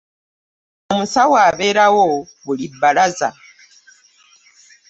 Omusawo abeerawo buli bbalaza.